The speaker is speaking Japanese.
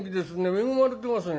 恵まれてますね」。